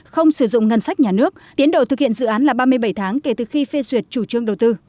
không sử dụng ngân sách nhà nước tiến độ thực hiện dự án là ba mươi bảy tháng kể từ khi phê duyệt chủ trương đầu tư